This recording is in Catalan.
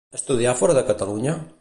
Estudià fora de Catalunya?